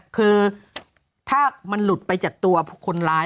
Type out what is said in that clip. คือถ้ามันหลุดไปจากตัวคนร้าย